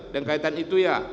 dan kaitan itu ya